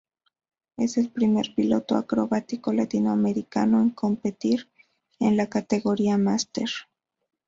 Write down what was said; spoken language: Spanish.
Es el primer piloto acrobático latinoamericano en competir en la categoría Master.